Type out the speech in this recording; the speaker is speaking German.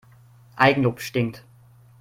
Eigenlob stinkt.